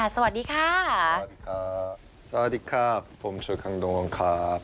สวัสดีค่ะสวัสดีครับผมช่วยคังดงวอนครับ